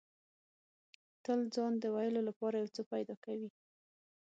تل ځان له د ویلو لپاره یو څه پیدا کوي.